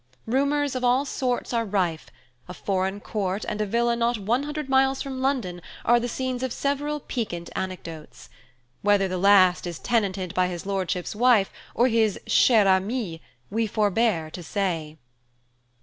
Rumours of all sorts are rife–a foreign court and a villa not one hundred miles from London are the scenes of several piquant anecdotes. Whether the last is tenanted by his Lordship's wife, or his chère amie, we forbear to say."